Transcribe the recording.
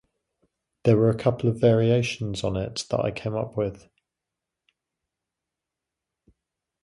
There were a couple variations on it that I came up with.